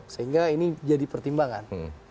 sehingga ini jadi pertimbangan